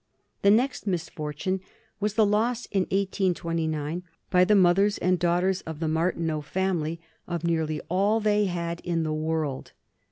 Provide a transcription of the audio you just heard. The next misfortune was the loss, in 1829, by the mother and daughters of the Martineau family, of nearly all they had in the world.